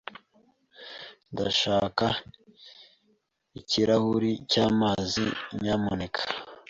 Ndashaka ikirahuri cyamazi, nyamuneka.